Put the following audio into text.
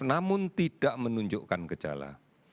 namun tidak menunjukkan kejala